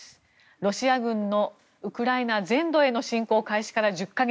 ロシア軍のウクライナ全土への侵攻開始から１０か月。